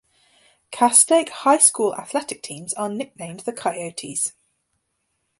Castaic High School athletic teams are nicknamed the Coyotes.